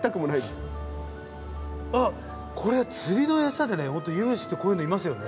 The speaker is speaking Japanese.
あっこれ釣りの餌でねユムシってこういうのいますよね。